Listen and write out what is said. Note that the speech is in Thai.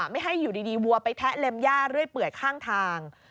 ไม่ให้อยู่ดีวัวไปแทะเล็มย่าเรื่อยเปื่อยข้างทาง